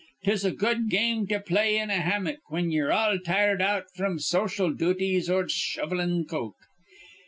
'Tis a good game to play in a hammick whin ye're all tired out fr'm social duties or shovellin' coke.